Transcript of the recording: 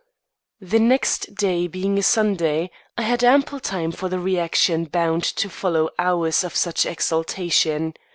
The next day being Sunday, I had ample time for the reaction bound to follow hours of such exaltation.